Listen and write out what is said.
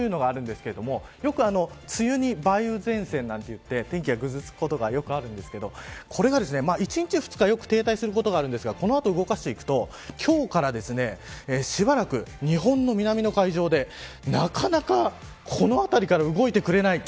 前線というのがあるんですがよく梅雨に、梅雨前線といって天気がぐずつくことがあるんですがこれが１日、２日停滞することがあるんですがこの後、動かしていくと今日からしばらく日本の南の海上で、なかなかこの辺りから動いてくれない。